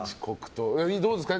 どうですか？